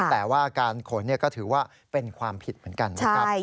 แต่ว่าการขนก็ถือว่าเป็นความผิดเหมือนกันนะครับ